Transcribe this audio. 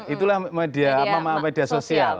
itulah media sosial